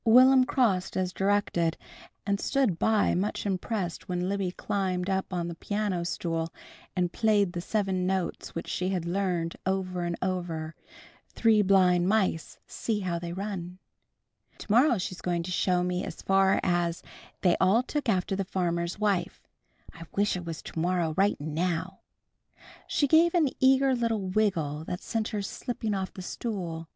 Will'm crossed as directed, and stood by much impressed when Libby climbed up on the piano stool and played the seven notes which she had learned, over and over: "Three blind mice! See how they run!" "To morrow she's going to show me as far as 'They all took after the farmer's wife.' I wish it was to morrow right now!" She gave an eager little wiggle that sent her slipping off the stool.